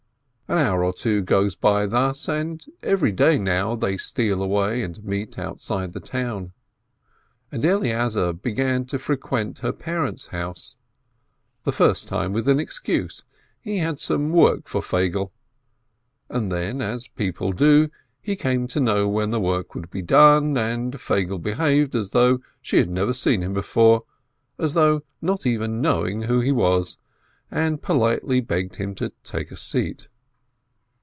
An hour or two go by thus, and every day now they steal away and meet outside the town. And Eleazar began to frequent her parents' house, the first time with an excuse — he had some work for Feigele. And then, as people do, he came to know when the work would be done, and Feigele behaved as though she had never seen him before, as though not even knowing who he was, and politely begged him to take a seat.